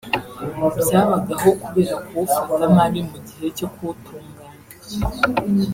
byabagaho kubera kuwufata nabi mu gihe cyo kuwutunganya